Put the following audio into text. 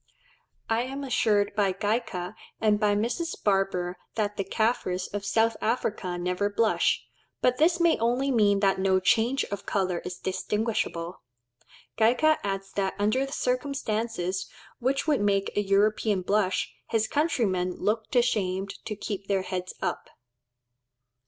I am assured by Gaika and by Mrs. Barber that the Kafirs of South Africa never blush; but this may only mean that no change of colour is distinguishable. Gaika adds that under the circumstances which would make a European blush, his countrymen "look ashamed to keep their heads up."